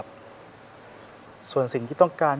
ชุดตั้งที่คุณเอง